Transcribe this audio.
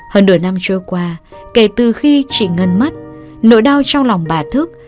hơn nửa năm trôi qua kể từ khi chị ngân mất nỗi đau trong lòng bà thức